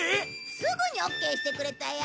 すぐにオッケーしてくれたよ。